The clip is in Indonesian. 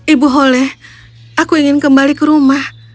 ibu hole aku ingin kembali ke rumah